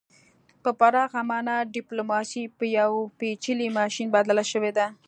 په پراخه مانا ډیپلوماسي په یو پیچلي ماشین بدله شوې ده